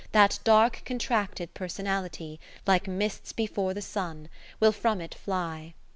That dark contracted personality, Like mists before the Sun, will from it fly.